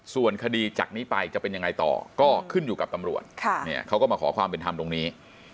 ส่วนคดีจากนี้ไปจะเป็นยังไงต่อก็ขึ้นอยู่กับตำรวจเขาก็มาขอความเป็นธรรมตรงนี้